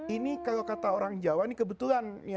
ini kalau kata orang jawa ini kebetulan